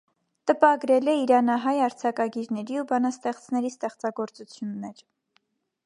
Տպագրել է իրանահայ արձակագիրների ու բանաստեղծների ստեղծագործություններ։